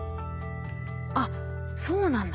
あっそうなんだ。